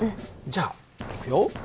じゃあいくよ。